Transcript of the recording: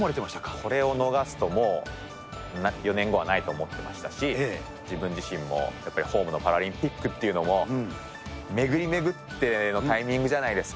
これを逃すともう、４年後はないと思ってましたし、自分自身もやっぱりホームのパラリンピックっていうのも巡り巡ってのタイミングじゃないですか。